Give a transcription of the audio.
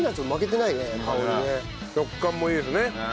食感もいいですね